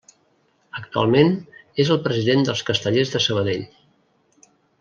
Actualment és el president dels Castellers de Sabadell.